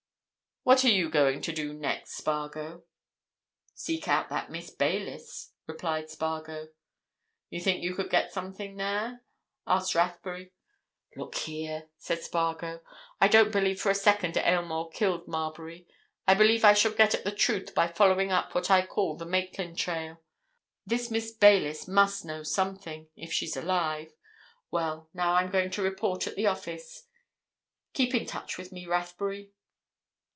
What are you going to do next, Spargo?" "Seek out that Miss Baylis," replied Spargo. "You think you could get something there?" asked Rathbury. "Look here!" said Spargo. "I don't believe for a second Aylmore killed Marbury. I believe I shall get at the truth by following up what I call the Maitland trail. This Miss Baylis must know something—if she's alive. Well, now I'm going to report at the office. Keep in touch with me, Rathbury."